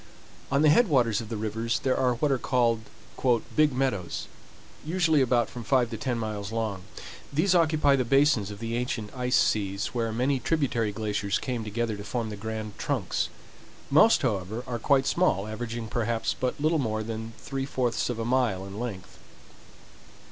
On the head waters of the rivers there are what are called "Big Meadows," usually about from five to ten miles long. These occupy the basins of the ancient ice seas, where many tributary glaciers came together to form the grand trunks. Most, however, are quite small, averaging perhaps but little more than three fourths of a mile in length.